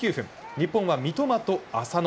日本は三笘と浅野